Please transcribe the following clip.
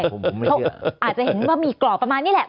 ผมไม่เชื่ออาจจะเห็นว่ามีกรอกประมาณนี้แหละ